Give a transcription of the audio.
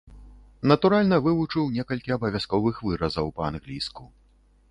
Натуральна, вывучыў некалькі абавязковых выразаў па-англійску.